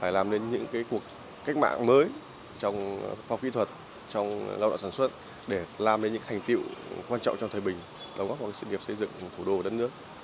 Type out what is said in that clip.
phải làm đến những cuộc cách mạng mới trong phong kỹ thuật trong lao động sản xuất để làm đến những thành tiệu quan trọng cho thời bình đóng góp vào sự nghiệp xây dựng thủ đô đất nước